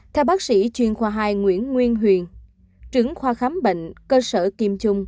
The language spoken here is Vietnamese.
theo bác sĩ chuyên khoa hai nguyễn nguyên huyền trưởng khoa khám bệnh cơ sở kiêm chung